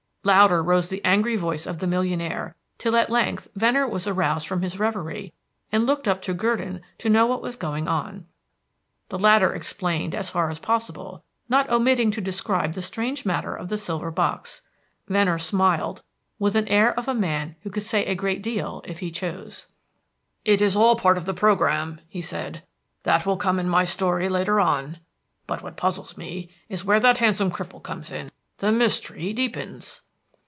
Louder rose the angry voice of the millionaire, till at length Venner was aroused from his reverie and looked up to Gurdon to know what was going on. The latter explained as far as possible, not omitting to describe the strange matter of the silver box. Venner smiled with the air of a man who could say a great deal if he chose. "It is all part of the programme," he said. "That will come in my story later on. But what puzzles me is where that handsome cripple comes in. The mystery deepens."